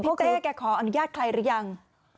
เจ๊แกขออนุญาตใครหรือยัง